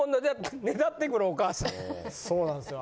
そうなんですよ